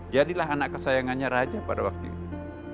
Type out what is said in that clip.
jadilah anak kesayangannya raja pada waktu itu